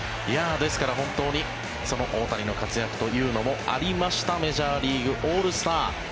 ですから、本当にその大谷の活躍というのもありましたメジャーリーグオールスター。